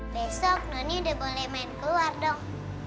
besok noni udah boleh main keluar dong